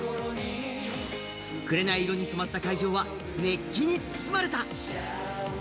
紅色に染まった会場は熱気に包まれた。